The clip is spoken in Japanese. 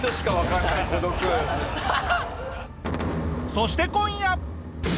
そして今夜。